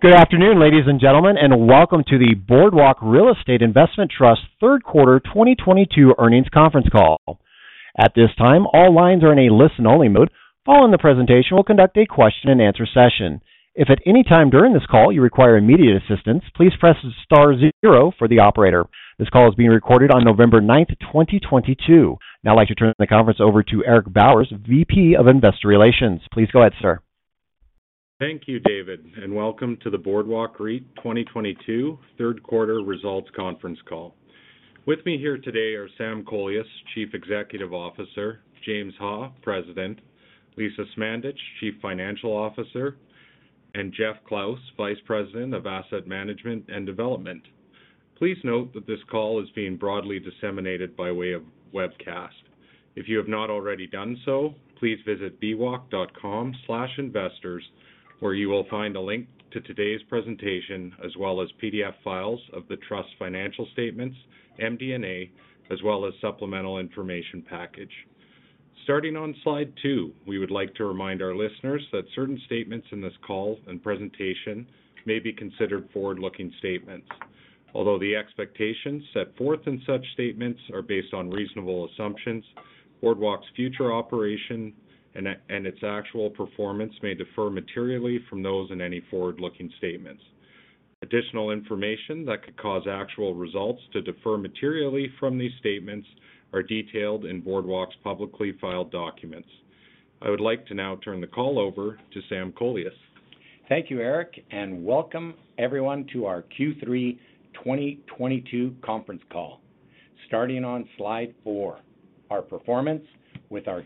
Good afternoon, ladies and gentlemen, and welcome to the Boardwalk Real Estate Investment Trust Third Quarter 2022 Earnings Conference Call. At this time, all lines are in a listen only mode. Following the presentation, we'll conduct a question and answer session. If at any time during this call you require immediate assistance, please press star zero for the operator. This call is being recorded on November 9, 2022. Now I'd like to turn the conference over to Eric Bowers, VP of Investor Relations. Please go ahead, sir. Thank you, David, and welcome to the Boardwalk REIT 2022 Third Quarter Results Conference Call. With me here today are Sam Kolias, Chief Executive Officer, James Ha, President, Lisa Smandych, Chief Financial Officer, and Jeff Klaus, Vice President of Asset Management and Development. Please note that this call is being broadly disseminated by way of webcast. If you have not already done so, please visit bwalk.com/investors where you will find a link to today's presentation as well as PDF files of the Trust's financial statements, MD&A, as well as supplemental information package. Starting on slide 2, we would like to remind our listeners that certain statements in this call and presentation may be considered forward-looking statements. Although the expectations set forth in such statements are based on reasonable assumptions, Boardwalk's future operation and its actual performance may differ materially from those in any forward-looking statements. Additional information that could cause actual results to differ materially from these statements are detailed in Boardwalk's publicly filed documents. I would like to now turn the call over to Sam Kolias. Thank you, Eric, and welcome everyone to our Q3 2022 Conference Call. Starting on slide 4, our performance with our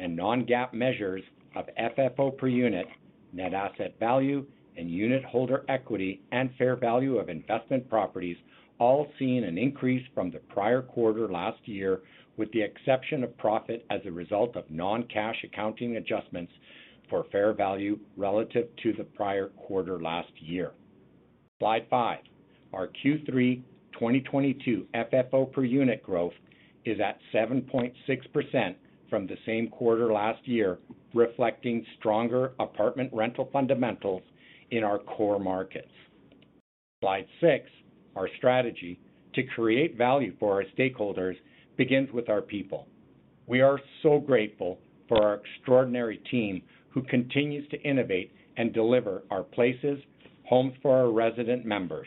GAAP and non-GAAP measures of FFO per unit, net asset value and unit holder equity, and fair value of investment properties all saw an increase from the prior quarter last year with the exception of profit as a result of non-cash accounting adjustments for fair value relative to the prior quarter last year. Slide 5. Our Q3 2022 FFO per unit growth is at 7.6% from the same quarter last year, reflecting stronger apartment rental fundamentals in our core markets. Slide 6. Our strategy to create value for our stakeholders begins with our people. We are so grateful for our extraordinary team who continues to innovate and deliver our places, homes for our resident members.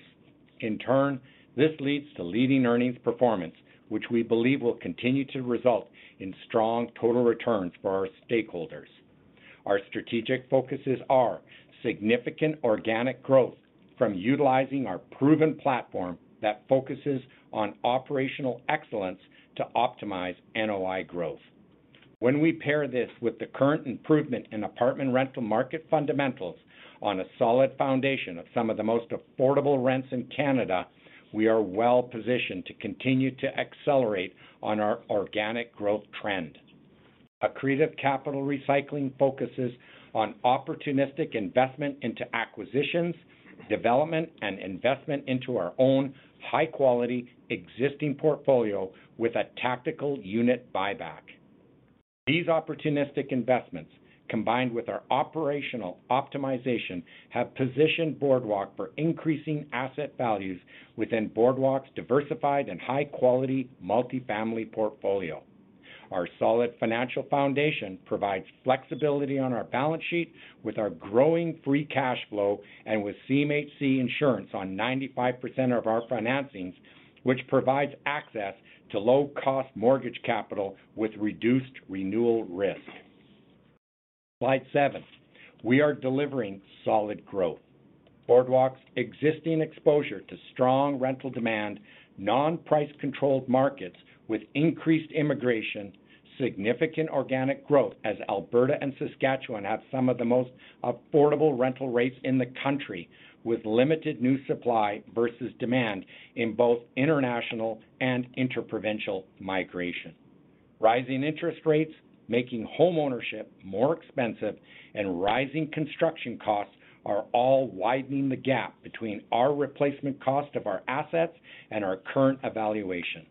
In turn, this leads to leading earnings performance which we believe will continue to result in strong total returns for our stakeholders. Our strategic focuses are significant organic growth from utilizing our proven platform that focuses on operational excellence to optimize NOI growth. When we pair this with the current improvement in apartment rental market fundamentals on a solid foundation of some of the most affordable rents in Canada, we are well positioned to continue to accelerate on our organic growth trend. Accretive capital recycling focuses on opportunistic investment into acquisitions, development and investment into our own high quality existing portfolio with a tactical unit buyback. These opportunistic investments, combined with our operational optimization, have positioned Boardwalk for increasing asset values within Boardwalk's diversified and high quality multifamily portfolio. Our solid financial foundation provides flexibility on our balance sheet with our growing free cash flow and with CMHC insurance on 95% of our financings, which provides access to low cost mortgage capital with reduced renewal risk. Slide 7. We are delivering solid growth. Boardwalk's existing exposure to strong rental demand, non-price-controlled markets with increased immigration, significant organic growth as Alberta and Saskatchewan have some of the most affordable rental rates in the country with limited new supply versus demand in both international and inter-provincial migration. Rising interest rates, making home ownership more expensive and rising construction costs are all widening the gap between our replacement cost of our assets and our current valuation.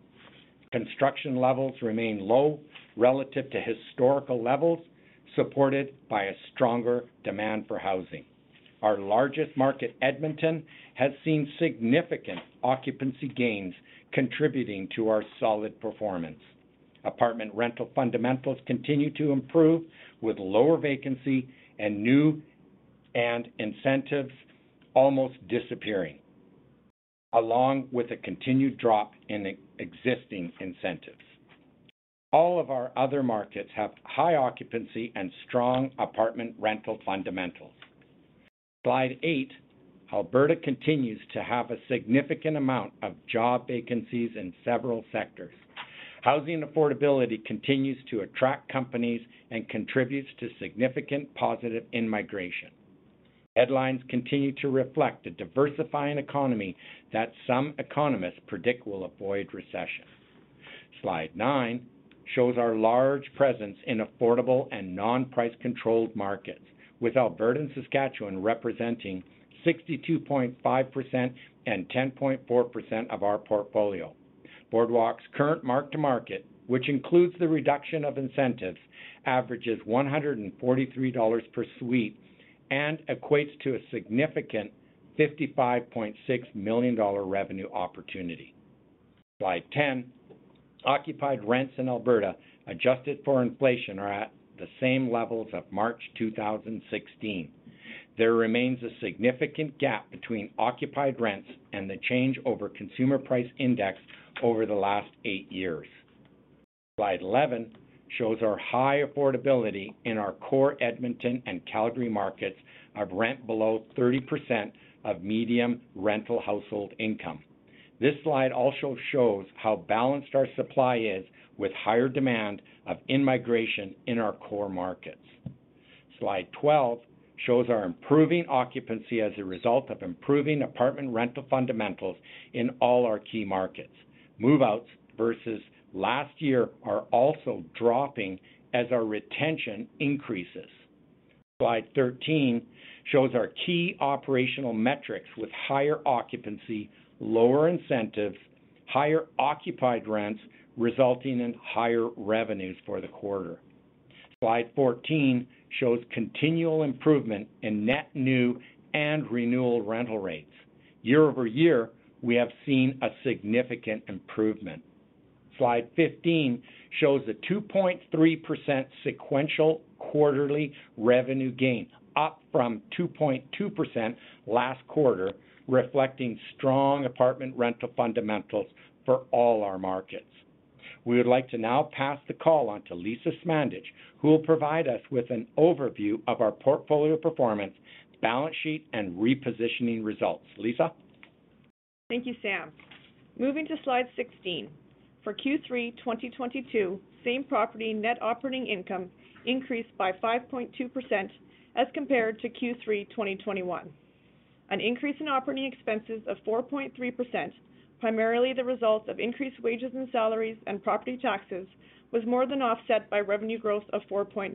Construction levels remain low relative to historical levels, supported by a stronger demand for housing. Our largest market, Edmonton, has seen significant occupancy gains contributing to our solid performance. Apartment rental fundamentals continue to improve with lower vacancy and incentives almost disappearing, along with a continued drop in existing incentives. All of our other markets have high occupancy and strong apartment rental fundamentals. Slide 8. Alberta continues to have a significant amount of job vacancies in several sectors. Housing affordability continues to attract companies and contributes to significant positive in-migration. Headlines continue to reflect a diversifying economy that some economists predict will avoid recession. Slide 9 shows our large presence in affordable and non-price controlled markets, with Alberta and Saskatchewan representing 62.5% and 10.4% of our portfolio. Boardwalk's current mark-to-market, which includes the reduction of incentives, averages 143 dollars per suite and equates to a significant 55.6 million dollar revenue opportunity. Slide 10, occupied rents in Alberta, adjusted for inflation, are at the same levels of March 2016. There remains a significant gap between occupied rents and the change over consumer price index over the last eight years. Slide 11 shows our high affordability in our core Edmonton and Calgary markets of rent below 30% of median rental household income. This slide also shows how balanced our supply is with higher demand of in-migration in our core markets. Slide 12 shows our improving occupancy as a result of improving apartment rental fundamentals in all our key markets. Move-outs versus last year are also dropping as our retention increases. Slide 13 shows our key operational metrics with higher occupancy, lower incentives, higher occupied rents, resulting in higher revenues for the quarter. Slide 14 shows continual improvement in net new and renewal rental rates. Year-over-year, we have seen a significant improvement. Slide 15 shows a 2.3% sequential quarterly revenue gain, up from 2.2% last quarter, reflecting strong apartment rental fundamentals for all our markets. We would like to now pass the call on to Lisa Smandych who will provide us with an overview of our portfolio performance, balance sheet, and repositioning results. Lisa. Thank you, Sam. Moving to slide 16. For Q3 2022, same property net operating income increased by 5.2% as compared to Q3 2021. An increase in operating expenses of 4.3%, primarily the result of increased wages and salaries and property taxes, was more than offset by revenue growth of 4.9%.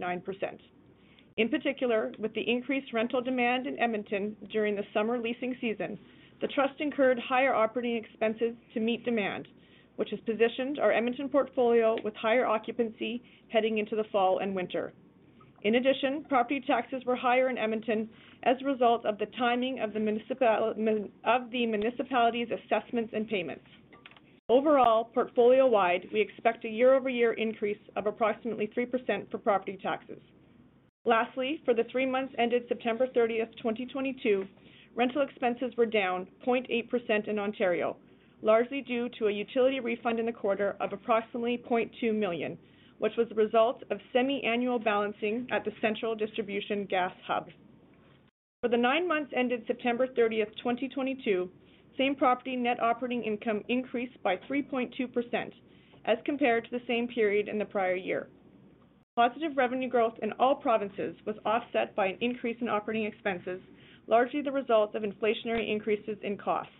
In particular, with the increased rental demand in Edmonton during the summer leasing season, the trust incurred higher operating expenses to meet demand, which has positioned our Edmonton portfolio with higher occupancy heading into the fall and winter. In addition, property taxes were higher in Edmonton as a result of the timing of the municipality's assessments and payments. Overall, portfolio-wide, we expect a year-over-year increase of approximately 3% for property taxes. Lastly, for the three months ended September 30, 2022, rental expenses were down 0.8% in Ontario, largely due to a utility refund in the quarter of approximately 0.2 million, which was a result of semi-annual balancing at the central distribution gas hub. For the nine months ended September 30, 2022, same property net operating income increased by 3.2% as compared to the same period in the prior year. Positive revenue growth in all provinces was offset by an increase in operating expenses, largely the result of inflationary increases in costs.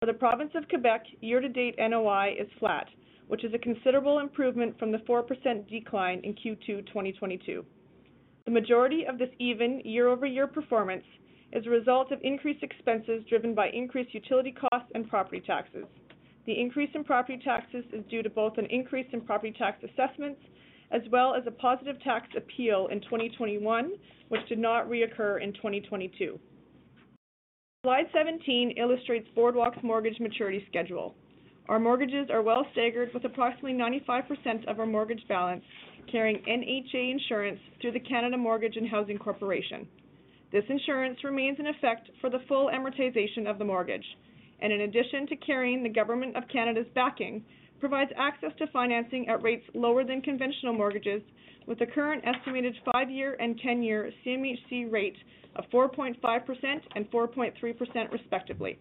For the province of Quebec, year-to-date NOI is flat, which is a considerable improvement from the 4% decline in Q2 2022. The majority of this even year-over-year performance is a result of increased expenses driven by increased utility costs and property taxes. The increase in property taxes is due to both an increase in property tax assessments as well as a positive tax appeal in 2021, which did not reoccur in 2022. Slide 17 illustrates Boardwalk's mortgage maturity schedule. Our mortgages are well staggered with approximately 95% of our mortgage balance carrying NHA insurance through the Canada Mortgage and Housing Corporation. This insurance remains in effect for the full amortization of the mortgage, and in addition to carrying the government of Canada's backing, provides access to financing at rates lower than conventional mortgages with the current estimated 5-year and 10-year CMHC rate of 4.5% and 4.3% respectively.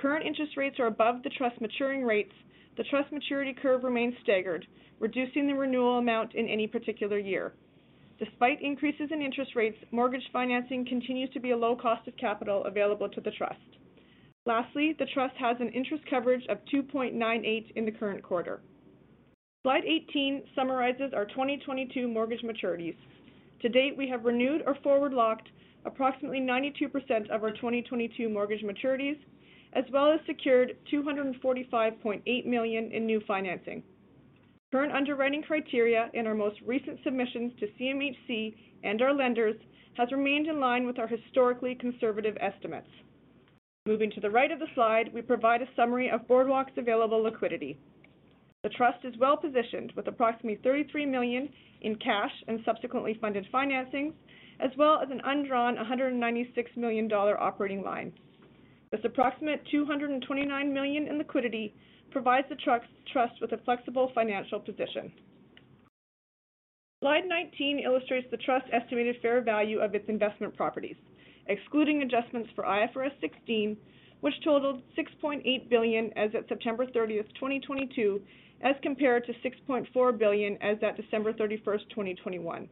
Current interest rates are above the trust maturing rates. The trust maturity curve remains staggered, reducing the renewal amount in any particular year. Despite increases in interest rates, mortgage financing continues to be a low cost of capital available to the trust. Lastly, the trust has an interest coverage of 2.98 in the current quarter. Slide 18 summarizes our 2022 mortgage maturities. To date, we have renewed or forward-locked approximately 92% of our 2022 mortgage maturities as well as secured 245.8 million in new financing. Current underwriting criteria in our most recent submissions to CMHC and our lenders has remained in line with our historically conservative estimates. Moving to the right of the slide, we provide a summary of Boardwalk's available liquidity. The trust is well-positioned with approximately 33 million in cash and subsequently funded financing, as well as an undrawn 196 million dollar operating line. This approximate 229 million in liquidity provides the trust with a flexible financial position. Slide 19 illustrates the trust's estimated fair value of its investment properties, excluding adjustments for IFRS 16, which totaled 6.8 billion as of September 30, 2022, as compared to 6.4 billion as of December 31, 2021.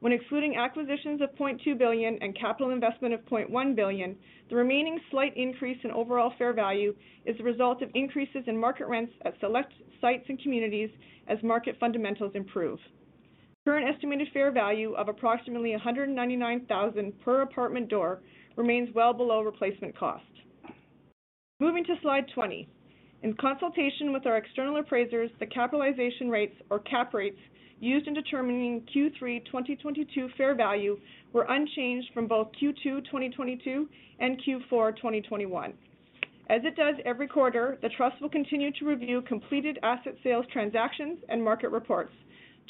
When excluding acquisitions of 0.2 billion and capital investment of 0.1 billion, the remaining slight increase in overall fair value is the result of increases in market rents at select sites and communities as market fundamentals improve. Current estimated fair value of approximately 199,000 per apartment door remains well below replacement cost. Moving to Slide 20. In consultation with our external appraisers, the capitalization rates or cap rates used in determining Q3 2022 fair value were unchanged from both Q2 2022 and Q4 2021. As it does every quarter, the trust will continue to review completed asset sales transactions and market reports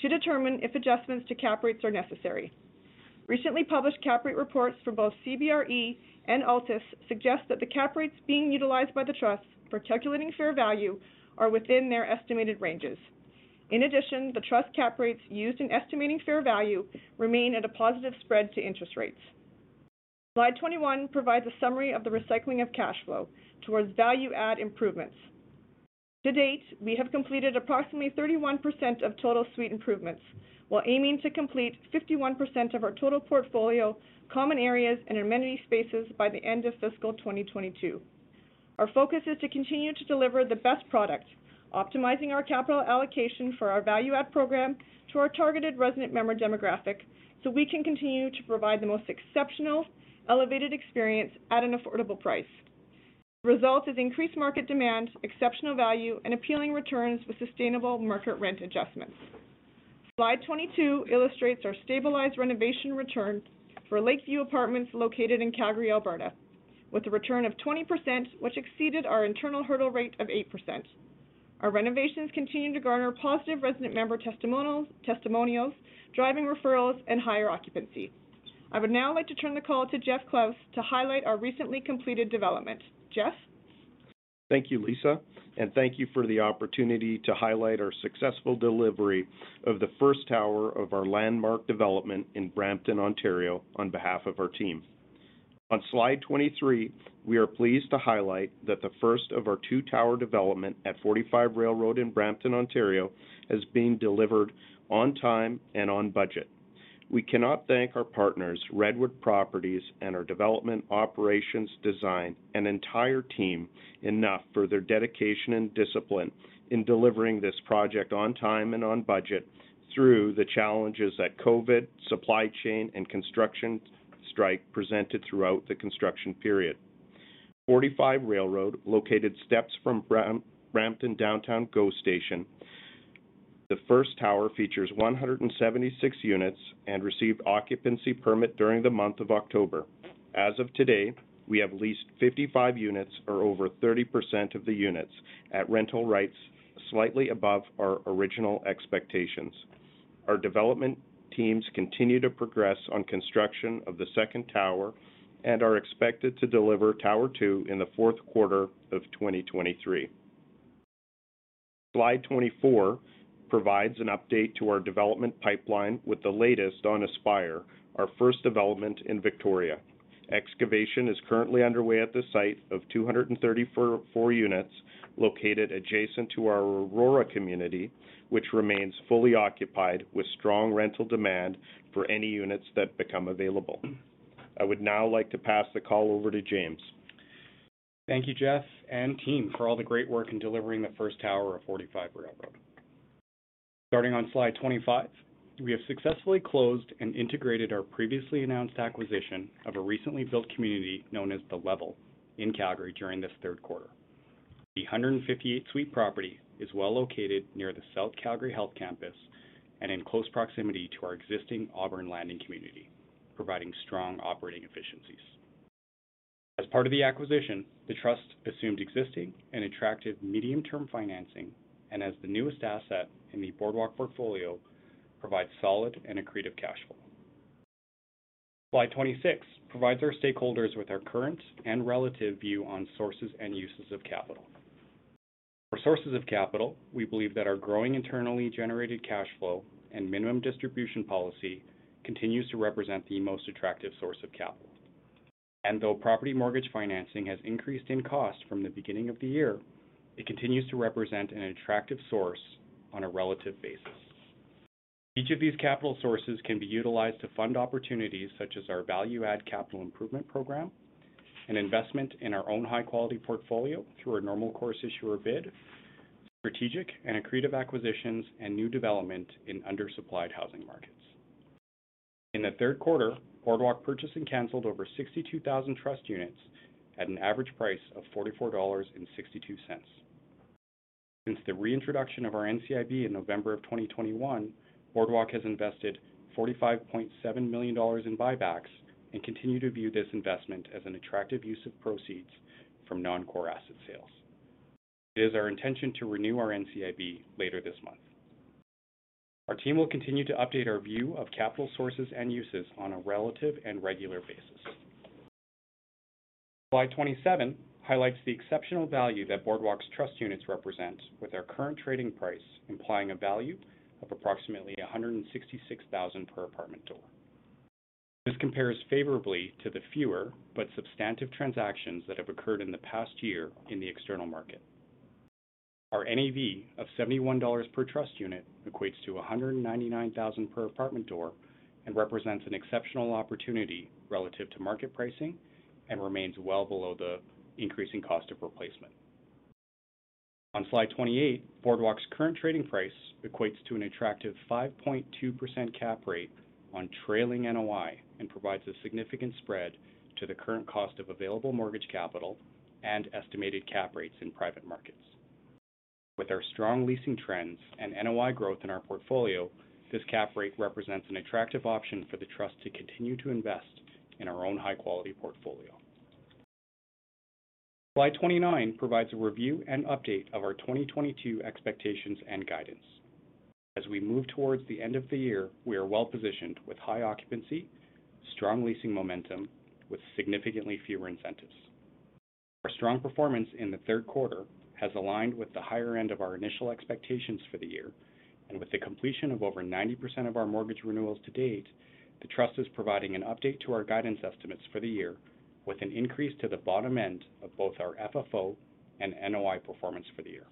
to determine if adjustments to cap rates are necessary. Recently published cap rate reports for both CBRE and Altus suggest that the cap rates being utilized by the trust for calculating fair value are within their estimated ranges. In addition, the trust cap rates used in estimating fair value remain at a positive spread to interest rates. Slide 21 provides a summary of the recycling of cash flow towards value add improvements. To date, we have completed approximately 31% of total suite improvements, while aiming to complete 51% of our total portfolio common areas and amenity spaces by the end of fiscal 2022. Our focus is to continue to deliver the best product, optimizing our capital allocation for our value add program to our targeted resident member demographic, so we can continue to provide the most exceptional, elevated experience at an affordable price. The result is increased market demand, exceptional value, and appealing returns with sustainable market rent adjustments. Slide 22 illustrates our stabilized renovation return for Lakeview Apartments located in Calgary, Alberta, with a return of 20%, which exceeded our internal hurdle rate of 8%. Our renovations continue to garner positive resident member testimonials, driving referrals and higher occupancy. I would now like to turn the call to Jeff Klaus to highlight our recently completed development. Jeff. Thank you, Lisa, and thank you for the opportunity to highlight our successful delivery of the first tower of our landmark development in Brampton, Ontario, on behalf of our team. On slide 23, we are pleased to highlight that the first of our two tower development at 45 Railroad in Brampton, Ontario, is being delivered on time and on budget. We cannot thank our partners, Redwood Properties and our development operations design and entire team enough for their dedication and discipline in delivering this project on time and on budget through the challenges that COVID, supply chain, and construction strike presented throughout the construction period. 45 Railroad, located steps from Brampton downtown GO Station. The first tower features 176 units and received occupancy permit during the month of October. As of today, we have leased 55 units or over 30% of the units at rental rates, slightly above our original expectations. Our development teams continue to progress on construction of the second tower and are expected to deliver tower two in the fourth quarter of 2023. Slide 24 provides an update to our development pipeline with the latest on Aspire, our first development in Victoria. Excavation is currently underway at the site for 234 units located adjacent to our Aurora community, which remains fully occupied with strong rental demand for any units that become available. I would now like to pass the call over to James. Thank you, Jeff, and team for all the great work in delivering the first tower of 45 Railroad. Starting on slide 25, we have successfully closed and integrated our previously announced acquisition of a recently built community known as The Level in Calgary during this third quarter. The 158-suite property is well-located near the South Calgary Health Campus and in close proximity to our existing Auburn Landing community, providing strong operating efficiencies. As part of the acquisition, the trust assumed existing and attractive medium-term financing, and as the newest asset in the Boardwalk portfolio, provides solid and accretive cash flow. Slide 26 provides our stakeholders with our current and relative view on sources and uses of capital. For sources of capital, we believe that our growing internally generated cash flow and minimum distribution policy continues to represent the most attractive source of capital. Though property mortgage financing has increased in cost from the beginning of the year, it continues to represent an attractive source on a relative basis. Each of these capital sources can be utilized to fund opportunities such as our value add capital improvement program, an investment in our own high-quality portfolio through a Normal Course Issuer Bid, strategic and accretive acquisitions, and new development in undersupplied housing markets. In the third quarter, Boardwalk purchased and canceled over 62,000 trust units at an average price of 44.62 dollars. Since the reintroduction of our NCIB in November 2021, Boardwalk has invested 45.7 million dollars in buybacks and continue to view this investment as an attractive use of proceeds from non-core asset sales. It is our intention to renew our NCIB later this month. Our team will continue to update our view of capital sources and uses on a relative and regular basis. Slide 27 highlights the exceptional value that Boardwalk's trust units represent, with our current trading price implying a value of approximately 166 thousand per apartment door. This compares favorably to the fewer but substantive transactions that have occurred in the past year in the external market. Our NAV of 71 dollars per trust unit equates to 199 thousand per apartment door and represents an exceptional opportunity relative to market pricing and remains well below the increasing cost of replacement. On slide 28, Boardwalk's current trading price equates to an attractive 5.2% capitalization rate on trailing NOI and provides a significant spread to the current cost of available mortgage capital and estimated cap rates in private markets. With our strong leasing trends and NOI growth in our portfolio, this capitalization rate represents an attractive option for the trust to continue to invest in our own high-quality portfolio. Slide 29 provides a review and update of our 2022 expectations and guidance. As we move towards the end of the year, we are well-positioned with high occupancy, strong leasing momentum with significantly fewer incentives. Our strong performance in the third quarter has aligned with the higher end of our initial expectations for the year. With the completion of over 90% of our mortgage renewals to date, the trust is providing an update to our guidance estimates for the year with an increase to the bottom end of both our FFO and NOI performance for the year.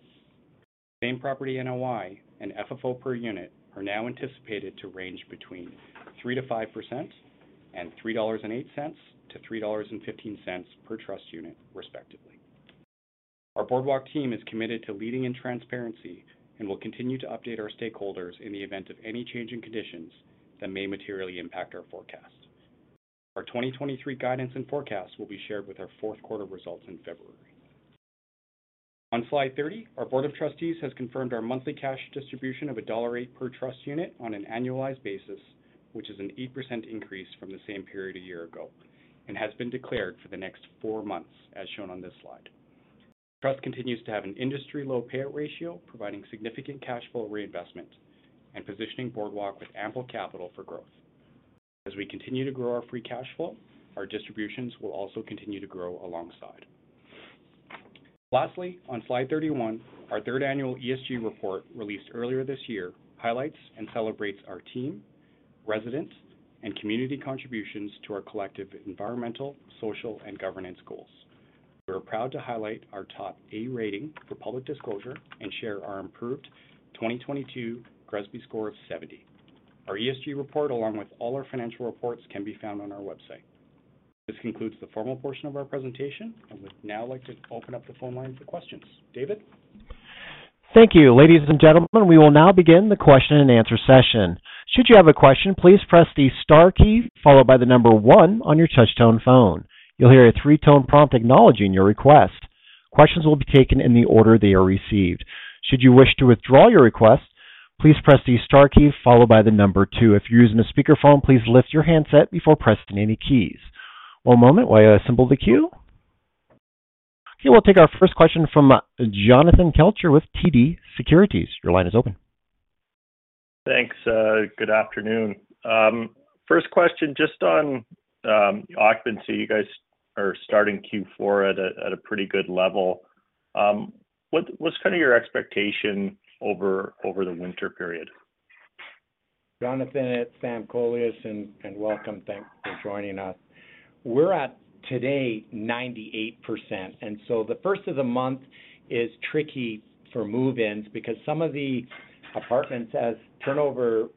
Same-property NOI and FFO per unit are now anticipated to range between 3%-5% and 3.08-3.15 dollars per trust unit, respectively. Our Boardwalk team is committed to leading in transparency and will continue to update our stakeholders in the event of any change in conditions that may materially impact our forecast. Our 2023 guidance and forecast will be shared with our fourth quarter results in February. On slide 30, our board of trustees has confirmed our monthly cash distribution of CAD 1.08 per trust unit on an annualized basis, which is an 8% increase from the same period a year ago and has been declared for the next four months, as shown on this slide. Trust continues to have an industry-low payout ratio, providing significant cash flow reinvestment and positioning Boardwalk with ample capital for growth. As we continue to grow our free cash flow, our distributions will also continue to grow alongside. Lastly, on slide 31, our third annual ESG report, released earlier this year, highlights and celebrates our team, residents, and community contributions to our collective environmental, social, and governance goals. We are proud to highlight our top A rating for public disclosure and share our improved 2022 GRESB score of 70. Our ESG report, along with all our financial reports, can be found on our website. This concludes the formal portion of our presentation, and we'd now like to open up the phone line for questions. David? Thank you. Ladies and gentlemen, we will now begin the question and answer session. Should you have a question, please press the star key followed by the number one on your touch tone phone. You'll hear a three-tone prompt acknowledging your request. Questions will be taken in the order they are received. Should you wish to withdraw your request, please press the star key followed by the number two. If you're using a speakerphone, please lift your handset before pressing any keys. One moment while I assemble the queue. Okay, we'll take our first question from Jonathan Kelcher with TD Securities. Your line is open. Thanks, good afternoon. First question, just on occupancy. You guys are starting Q4 at a pretty good level. What's kind of your expectation over the winter period? Jonathan Kelcher, it's Sam Kolias. Welcome. Thank you for joining us. We're at 98% today, and the first of the month is tricky for move-ins because some of the apartments, as turnover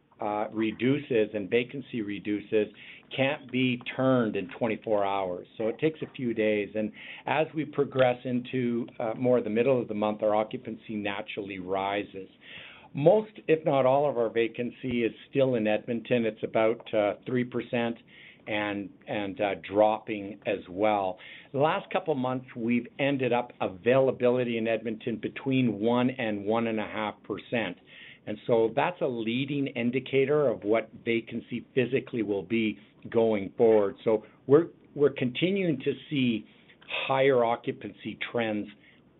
reduces and vacancy reduces, can't be turned in 24 hours. It takes a few days. As we progress into more the middle of the month, our occupancy naturally rises. Most, if not all, of our vacancy is still in Edmonton. It's about 3% and dropping as well. The last couple of months, we've ended up availability in Edmonton between 1% and 1.5%. That's a leading indicator of what vacancy physically will be going forward. We're continuing to see higher occupancy trends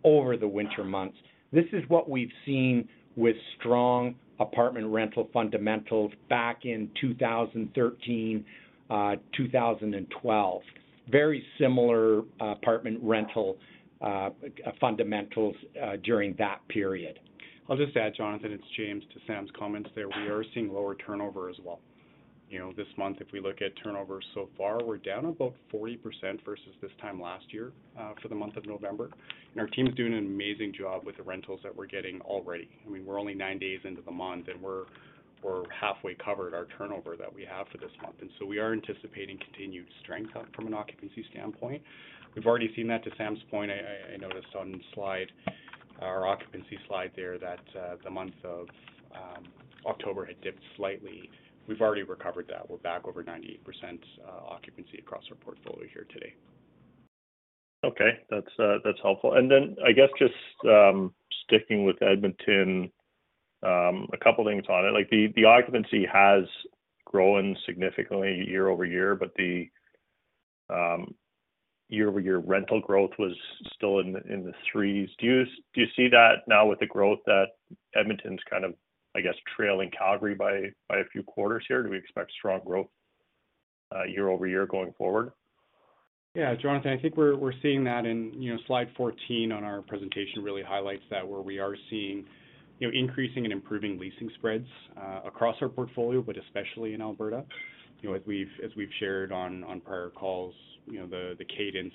over the winter months. This is what we've seen with strong apartment rental fundamentals back in 2013, 2012. Very similar apartment rental fundamentals during that period. I'll just add, Jonathan, it's James, to Sam's comments there. We are seeing lower turnover as well. You know, this month, if we look at turnover so far, we're down about 40% versus this time last year, for the month of November. Our team is doing an amazing job with the rentals that we're getting already. I mean, we're only 9 days into the month, and we're halfway covered our turnover that we have for this month. We are anticipating continued strength out from an occupancy standpoint. We've already seen that, to Sam's point, I noticed on slide, our occupancy slide there that, the month of October had dipped slightly. We've already recovered that. We're back over 98% occupancy across our portfolio here today. Okay. That's helpful. I guess just sticking with Edmonton, a couple of things on it. Like the occupancy has grown significantly year-over-year, but the year-over-year rental growth was still in the threes. Do you see that now with the growth that Edmonton's kind of, I guess, trailing Calgary by a few quarters here? Do we expect strong growth year-over-year going forward? Yeah, Jonathan, I think we're seeing that in, you know, slide 14 on our presentation really highlights that where we are seeing, you know, increasing and improving leasing spreads across our portfolio, but especially in Alberta. You know, as we've shared on prior calls, you know, the cadence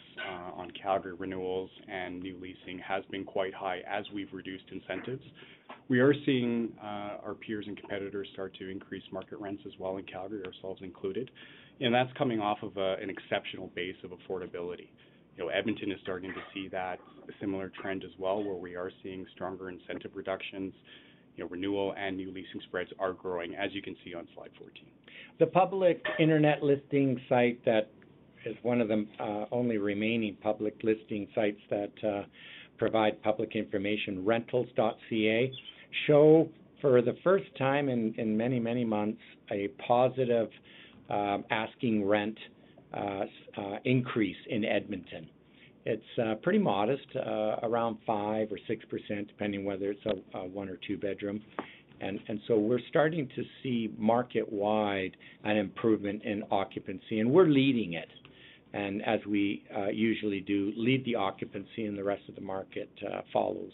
on Calgary renewals and new leasing has been quite high as we've reduced incentives. We are seeing our peers and competitors start to increase market rents as well in Calgary, ourselves included, and that's coming off of an exceptional base of affordability. You know, Edmonton is starting to see that similar trend as well, where we are seeing stronger incentive reductions. You know, renewal and new leasing spreads are growing, as you can see on slide 14. The public internet listing site that is one of the only remaining public listing sites that provide public information, Rentals.ca, shows for the first time in many months a positive asking rent increase in Edmonton. It's pretty modest, around 5 or 6%, depending whether it's a one or two bedroom. We're starting to see market-wide an improvement in occupancy, and we're leading it. As we usually do, lead the occupancy and the rest of the market follows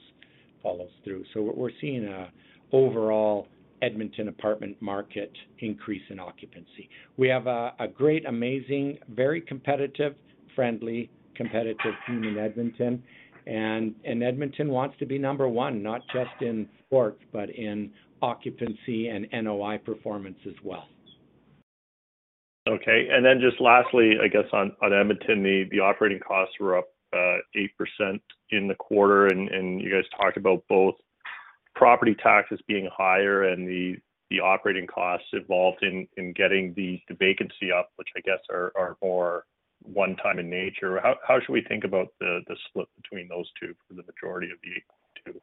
through. What we're seeing a overall Edmonton apartment market increase in occupancy. We have a great, amazing, very competitive, friendly, competitive team in Edmonton. Edmonton wants to be number one, not just in sports, but in occupancy and NOI performance as well. Okay. Just lastly, I guess on Edmonton, the operating costs were up 8% in the quarter, and you guys talked about both property taxes being higher and the operating costs involved in getting the vacancy up, which I guess are more one-time in nature. How should we think about the split between those two for the majority of the 8.2%?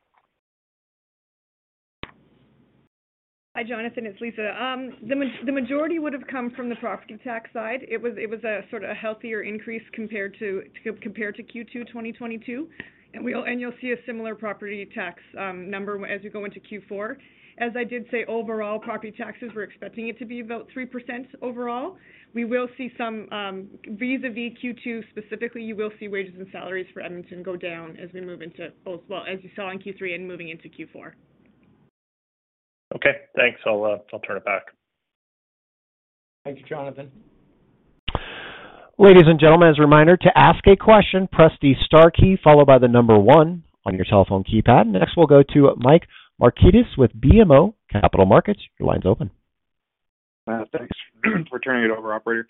Hi, Jonathan, it's Lisa. The majority would have come from the property tax side. It was a sort of a healthier increase compared to Q2 2022. You'll see a similar property tax number as we go into Q4. As I did say, overall, property taxes, we're expecting it to be about 3% overall. We will see some vis-a-vis Q2 specifically, you will see wages and salaries for Edmonton go down as we move into, well, as you saw in Q3 and moving into Q4. Okay. Thanks. I'll turn it back. Thank you, Jonathan. Ladies and gentlemen, as a reminder to ask a question, press the star key followed by the number one on your telephone keypad. Next, we'll go to Michael Markidis with BMO Capital Markets. Your line's open. Thanks for turning it over, operator.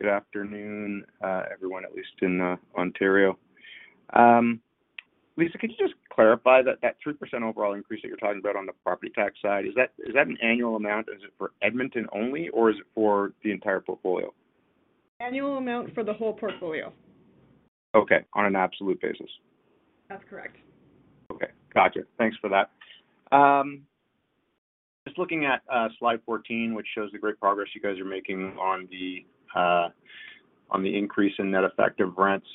Good afternoon, everyone, at least in Ontario. Lisa, could you just clarify that 3% overall increase that you're talking about on the property tax side, is that an annual amount? Is it for Edmonton only, or is it for the entire portfolio? Annual amount for the whole portfolio. Okay. On an absolute basis. That's correct. Okay. Gotcha. Thanks for that. Just looking at slide 14, which shows the great progress you guys are making on the increase in net effect of rents.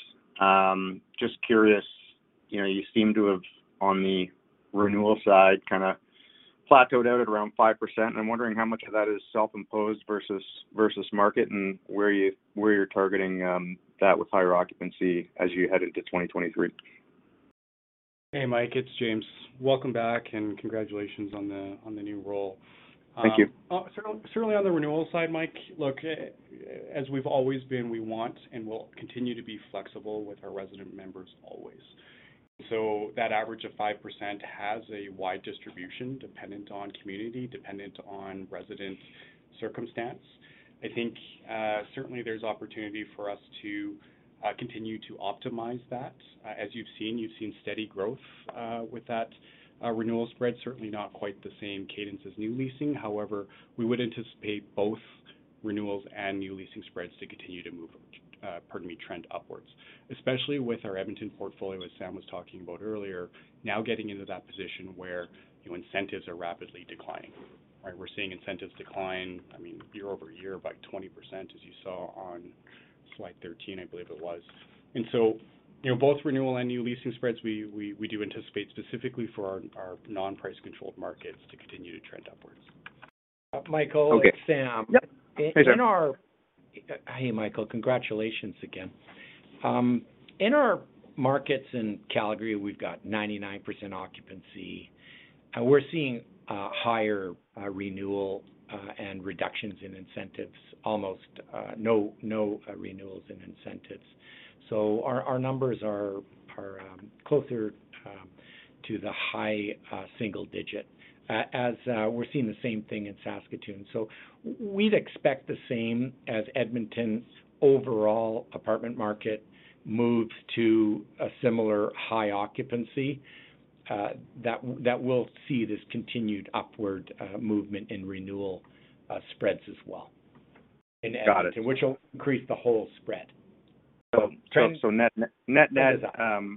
Just curious, you know, you seem to have, on the renewal side, kinda plateaued out at around 5%. I'm wondering how much of that is self-imposed versus market and where you're targeting that with higher occupancy as you head into 2023. Hey, Mike, it's James. Welcome back, and congratulations on the new role. Thank you. Certainly on the renewal side, Mike, look, as we've always been, we want and will continue to be flexible with our resident members always. That average of 5% has a wide distribution dependent on community, dependent on resident circumstance. I think, certainly there's opportunity for us to continue to optimize that. As you've seen, steady growth with that renewal spread, certainly not quite the same cadence as new leasing. However, we would anticipate both renewals and new leasing spreads to continue to move, pardon me, trend upwards, especially with our Edmonton portfolio, as Sam was talking about earlier, now getting into that position where your incentives are rapidly declining, right? We're seeing incentives decline, I mean, year-over-year by 20%, as you saw on slide 13, I believe it was. You know, both renewal and new leasing spreads, we do anticipate specifically for our non-price-controlled markets to continue to trend upwards. Michael, it's Sam. Yep. Hey, Sam. Hey, Michael. Congratulations again. In our markets in Calgary, we've got 99% occupancy. We're seeing higher renewal and reductions in incentives, almost no renewals and incentives. Our numbers are closer to the high single digit. As we're seeing the same thing in Saskatoon, we'd expect the same as Edmonton's overall apartment market moves to a similar high occupancy, that will see this continued upward movement in renewal spreads as well. Got it. In Edmonton, which will increase the whole spread.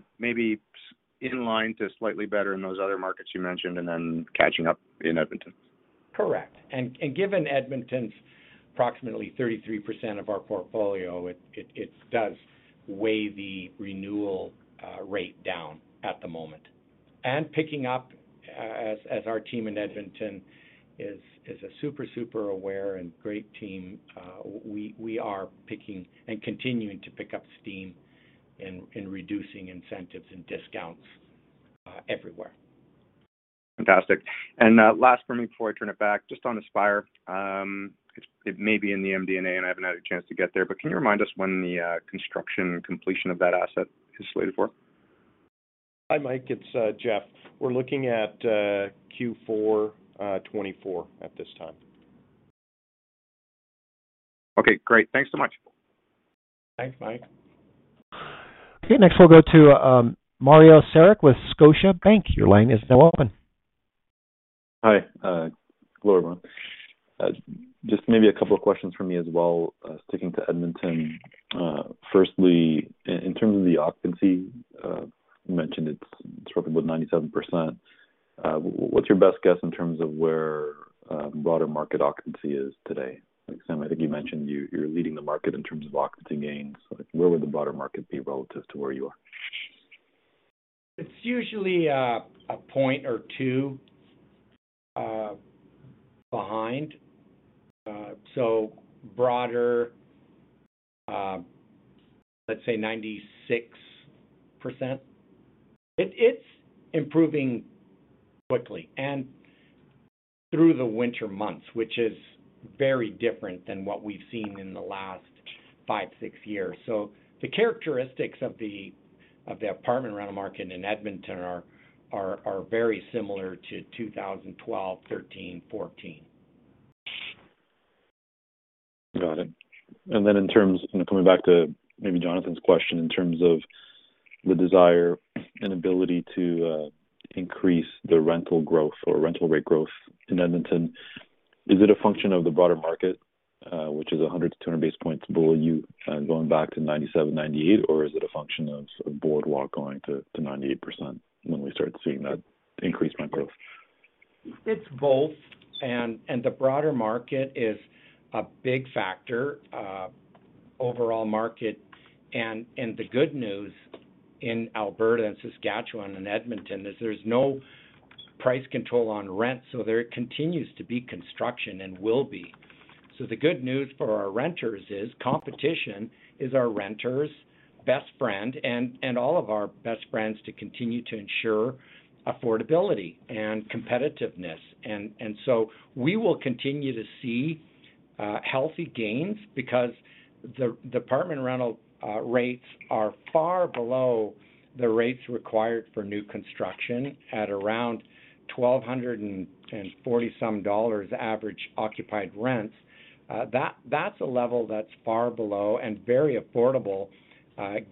Maybe in line to slightly better in those other markets you mentioned and then catching up in Edmonton. Correct. Given Edmonton's approximately 33% of our portfolio, it does weigh the renewal rate down at the moment. Picking up as our team in Edmonton is a super aware and great team. We are picking and continuing to pick up steam in reducing incentives and discounts everywhere. Fantastic. Last for me before I turn it back, just on Aspire. It may be in the MD&A, and I haven't had a chance to get there, but can you remind us when the construction completion of that asset is slated for? Hi, Mike. It's Jeff. We're looking at Q4 2024 at this time. Okay, great. Thanks so much. Thanks, Mike. Okay. Next, we'll go to Mario Saric with Scotiabank. Your line is now open. Hi, hello, everyone. Just maybe a couple of questions for me as well, sticking to Edmonton. Firstly, in terms of the occupancy, you mentioned it's roughly about 97%. What's your best guess in terms of where broader market occupancy is today? Sam, I think you mentioned you're leading the market in terms of occupancy gains. Where would the broader market be relative to where you are? It's usually a point or two behind. Broader, let's say 96%. It's improving quickly and through the winter months, which is very different than what we've seen in the last five, six years. The characteristics of the apartment rental market in Edmonton are very similar to 2012, 2013, 2014. Got it. Coming back to maybe Jonathan's question in terms of the desire and ability to increase the rental growth or rental rate growth in Edmonton, is it a function of the broader market, which is 100-200 basis points below you going back to 97, 98? Or is it a function of Boardwalk going to 98% when we start seeing that increase rent growth? It's both. The broader market is a big factor, overall market. The good news in Alberta and Saskatchewan and Edmonton is there's no price control on rent, so there continues to be construction and will be. The good news for our renters is competition is our renters' best friend and all of our best friends to continue to ensure affordability and competitiveness. We will continue to see healthy gains because the apartment rental rates are far below the rates required for new construction at around 1,240 dollars average occupied rents. That's a level that's far below and very affordable,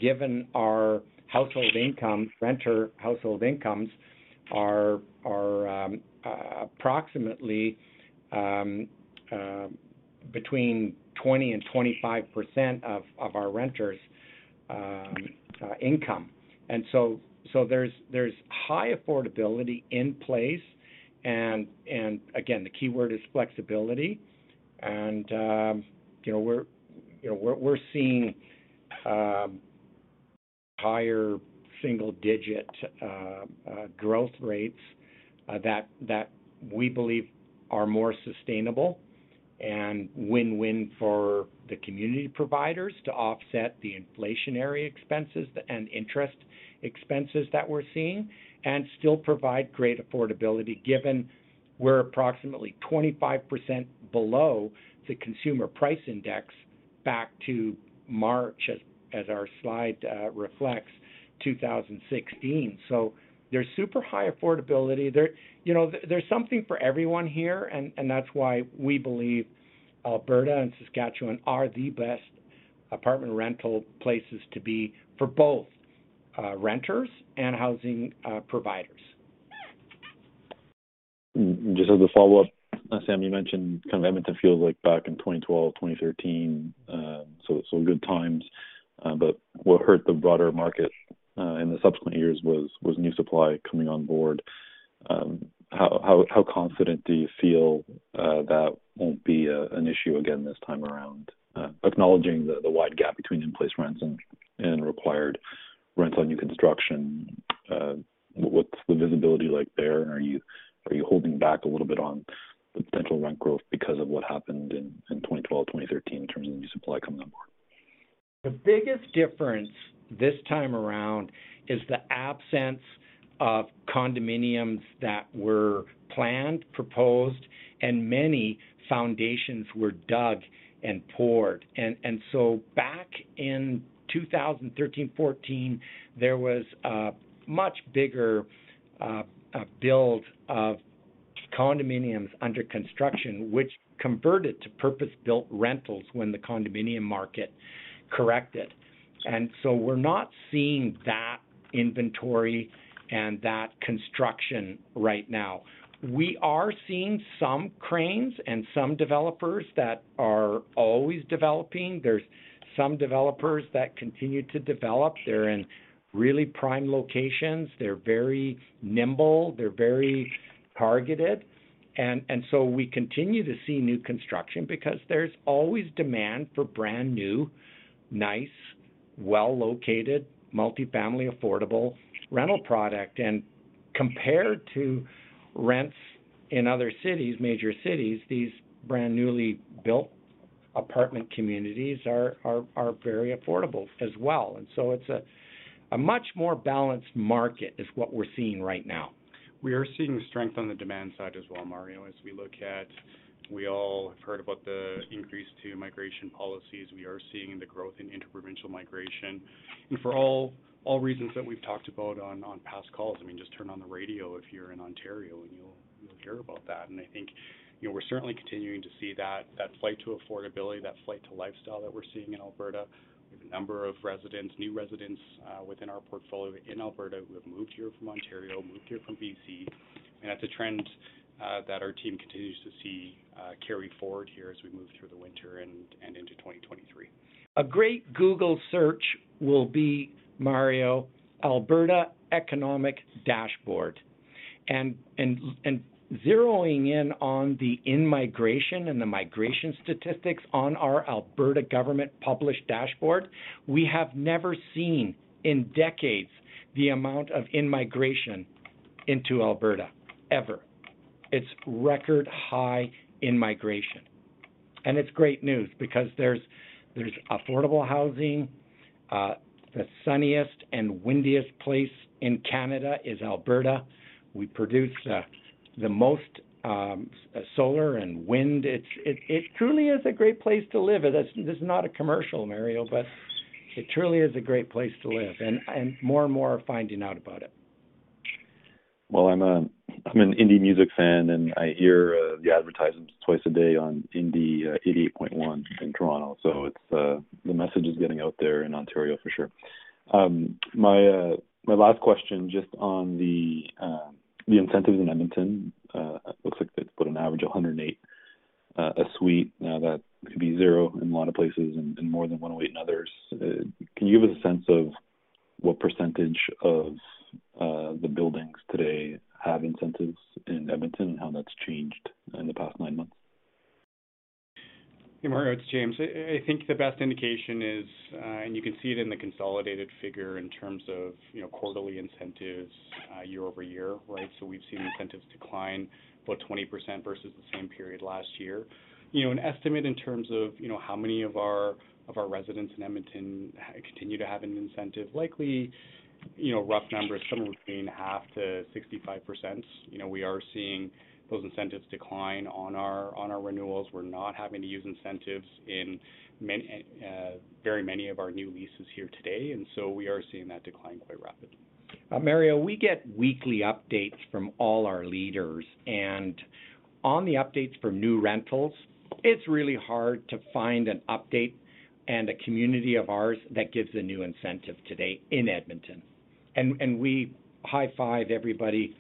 given our household income. Renter household incomes are approximately between 20% and 25% of our renters' income. There's high affordability in place. Again, the keyword is flexibility. You know, we're seeing higher single-digit growth rates that we believe are more sustainable and win-win for the community providers to offset the inflationary expenses and interest expenses that we're seeing and still provide great affordability given we're approximately 25% below the consumer price index back to March, as our slide reflects, 2016. There's super high affordability. You know, there's something for everyone here, and that's why we believe Alberta and Saskatchewan are the best apartment rental places to be for both renters and housing providers. Just as a follow-up, Sam, you mentioned Edmonton feels like back in 2012, 2013, so good times. What hurt the broader market in the subsequent years was new supply coming on board. How confident do you feel that won't be an issue again this time around? Acknowledging the wide gap between in-place rents and required rents on new construction. What's the visibility like there? Are you holding back a little bit on the potential rent growth because of what happened in 2012, 2013 in terms of new supply coming on board? The biggest difference this time around is the absence of condominiums that were planned, proposed, and many foundations were dug and poured. Back in 2013, 2014, there was a much bigger build of condominiums under construction, which converted to purpose-built rentals when the condominium market corrected. We're not seeing that inventory and that construction right now. We are seeing some cranes and some developers that are always developing. There's some developers that continue to develop. They're in really prime locations. They're very nimble, they're very targeted. We continue to see new construction because there's always demand for brand new, nice, well-located, multi-family, affordable rental product. Compared to rents in other cities, major cities, these brand newly built apartment communities are very affordable as well. It's a much more balanced market is what we're seeing right now. We are seeing strength on the demand side as well, Mario, as we all have heard about the increase to migration policies. We are seeing the growth in inter-provincial migration. For all reasons that we've talked about on past calls, I mean, just turn on the radio if you're in Ontario and you'll hear about that. I think, you know, we're certainly continuing to see that flight to affordability, that flight to lifestyle that we're seeing in Alberta. We have a number of new residents within our portfolio in Alberta who have moved here from Ontario, moved here from BC. That's a trend that our team continues to see carry forward here as we move through the winter and into 2023. A great Google search will be, Mario, Alberta Economic Dashboard. Zeroing in on the in-migration and the migration statistics on our Alberta government-published dashboard, we have never seen in decades the amount of in-migration into Alberta, ever. It's record-high in-migration. It's great news because there's affordable housing. The sunniest and windiest place in Canada is Alberta. We produce the most solar and wind. It truly is a great place to live. This is not a commercial, Mario, but it truly is a great place to live. More and more are finding out about it. Well, I'm an indie music fan, and I hear the advertisements twice a day on Indie88 88.1 in Toronto. It's the message is getting out there in Ontario for sure. My last question just on the incentives in Edmonton. Looks like that's about an average of 108 a suite. Now, that could be zero in a lot of places and more than 108 in others. Can you give us a sense of what percentage of the buildings today have incentives in Edmonton and how that's changed in the past nine months? Hey, Mario, it's James. I think the best indication is, and you can see it in the consolidated figure in terms of, you know, quarterly incentives, year-over-year, right? We've seen incentives decline about 20% versus the same period last year. You know, an estimate in terms of, you know, how many of our residents in Edmonton continue to have an incentive, likely, you know, rough numbers, somewhere between 50% to 65%. You know, we are seeing those incentives decline on our renewals. We're not having to use incentives in very many of our new leases here today, and so we are seeing that decline quite rapidly. Mario, we get weekly updates from all our leaders, and on the updates for new rentals, it's really hard to find an update and a community of ours that gives a new incentive today in Edmonton. We high-five everybody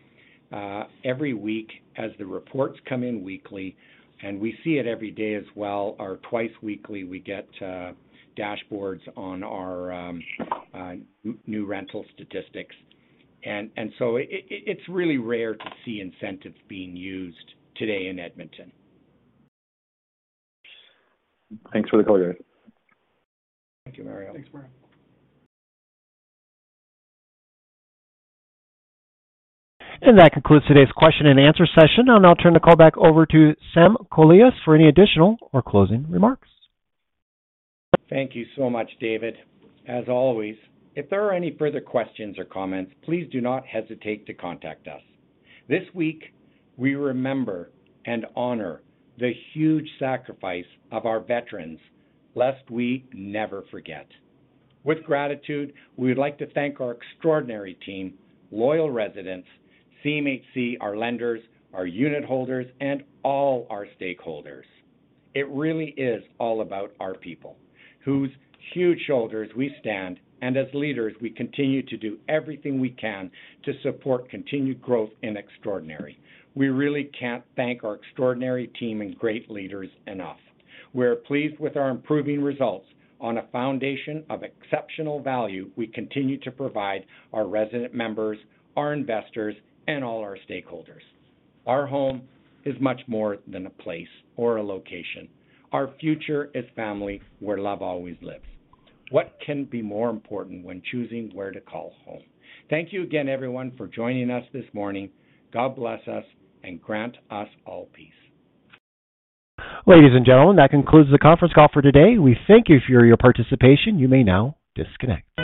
every week as the reports come in weekly, and we see it every day as well, or twice weekly, we get dashboards on our new rental statistics. It's really rare to see incentives being used today in Edmonton. Thanks for the color. Thank you, Mario. Thanks, Mario. That concludes today's question and answer session. I'll now turn the call back over to Sam Kolias for any additional or closing remarks. Thank you so much, David. As always, if there are any further questions or comments, please do not hesitate to contact us. This week, we remember and honor the huge sacrifice of our veterans, lest we never forget. With gratitude, we would like to thank our extraordinary team, loyal residents, CMHC, our lenders, our unit holders, and all our stakeholders. It really is all about our people whose huge shoulders we stand, and as leaders, we continue to do everything we can to support continued growth and extraordinary. We really can't thank our extraordinary team and great leaders enough. We're pleased with our improving results. On a foundation of exceptional value, we continue to provide our resident members, our investors, and all our stakeholders. Our home is much more than a place or a location. Our future is family where love always lives. What can be more important when choosing where to call home? Thank you again, everyone, for joining us this morning. God bless us and grant us all peace. Ladies and gentlemen, that concludes the conference call for today. We thank you for your participation. You may now disconnect.